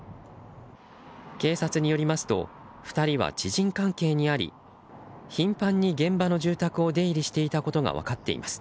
警察によりますと２人は知人関係にあり頻繁に現場の住宅を出入りしていたことが分かっています。